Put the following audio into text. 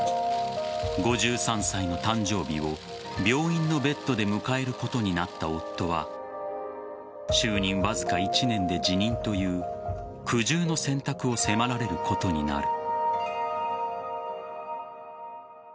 ５３歳の誕生日を病院のベッドで迎えることになった夫は就任わずか１年で辞任という苦渋の選択を迫られることになる。